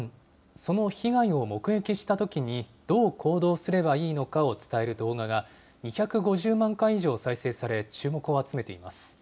その被害を目撃したときにどう行動すればいいのかを伝える動画が、２５０万回以上再生され、注目を集めています。